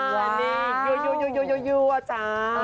วันนี้ยูจ้า